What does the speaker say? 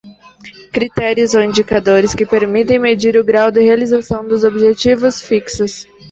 Critérios ou indicadores que permitem medir o grau de realização dos objetivos fixos.